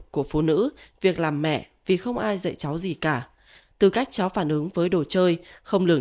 của phụ nữ việc làm mẹ vì không ai dạy cháu gì cả tư cách cháu phản ứng với đồ chơi không lường